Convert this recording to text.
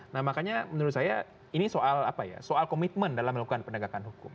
nah makanya menurut saya ini soal apa ya soal komitmen dalam melakukan penegakan hukum